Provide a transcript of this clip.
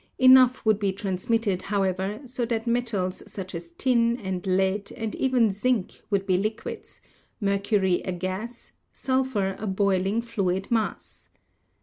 Enough would be trans mitted, however, so that metals such as tin and lead and even zinc would be liquids, mercury a gas, sulphur a boiling fluid mass.